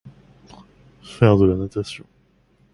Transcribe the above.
Faire de la natation